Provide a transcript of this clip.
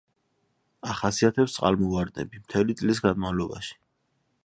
ახასიათებს წყალმოვარდნები მთელი წლის განმავლობაში.